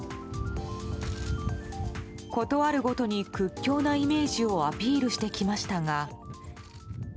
ことあるごとに屈強なイメージをアピールしてきましたが。